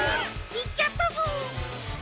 いっちゃったぞ！